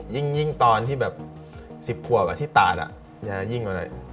ยิ่งตอนที่แบบ๑๐ขวบที่ตาดยิ่งกว่าหน่อย